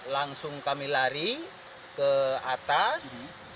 langsung kami lari ke atas